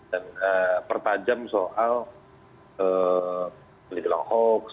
dan pertajam soal dibilang hoax